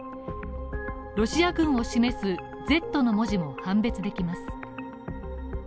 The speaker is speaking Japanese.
ロシア軍を示すＺの文字も判別できます。